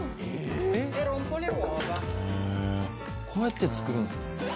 こうやって作るんすか。